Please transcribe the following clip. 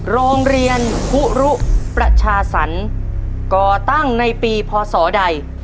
โรงเรียนคุรุประชาสรรก่อตั้งในปีพศใด